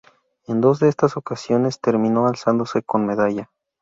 En dos de esas ocasiones terminó alzándose con medalla.